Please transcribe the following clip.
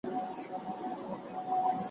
حلاله روزي وخوره چې دعا دې قبوله شي.